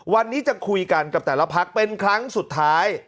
วันนี้จะคุยกันกับแต่ละพักเป็นครั้งสุดท้าย